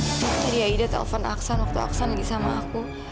aida telepon aksan waktu aksan lagi sama aku